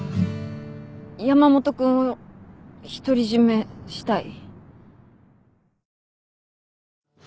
山本君を独り占めしたい